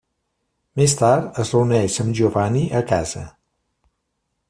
Més tard es reuneix amb Giovanni a casa.